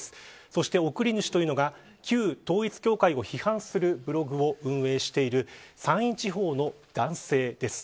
そして送り主というのが旧統一教会を批判するブログを運営している山陰地方の男性です。